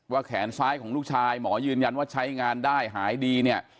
แขนซ้ายของลูกชายหมอยืนยันว่าใช้งานได้หายดีเนี่ย